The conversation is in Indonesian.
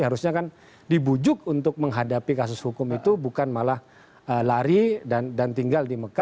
harusnya kan dibujuk untuk menghadapi kasus hukum itu bukan malah lari dan tinggal di mekah